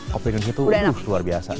kopi kopi itu luar biasa